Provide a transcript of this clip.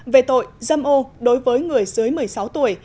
về tội dâm ô đối với người dưới một mươi sáu tuổi